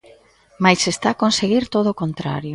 Mais está a conseguir todo o contrario.